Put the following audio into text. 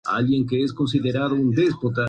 Se encuentra cerca del lugar de buceo "Universidad".